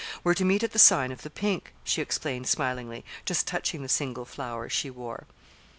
We're to meet at the sign of the pink," she explained smilingly, just touching the single flower she wore.